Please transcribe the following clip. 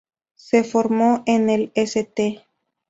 Se formó en el St.